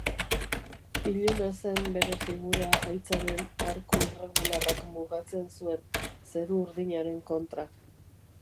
Iluna zen bere figura haitzaren arku irregularrak mugatzen zuen zeru urdinaren kontra.